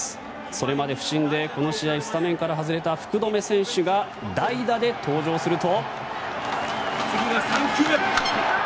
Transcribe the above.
それまで不振でスタメンから外れた福留選手が代打で登場すると。